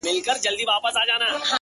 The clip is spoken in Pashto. خدای چي له عرسه راکتل ما ورته دا وويل”